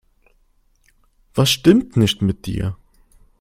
Was stimmt nicht mit dir?